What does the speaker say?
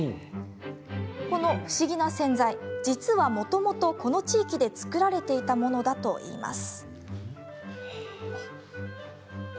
この不思議な洗剤、実はもともとこの地域で作られていたものだといいます。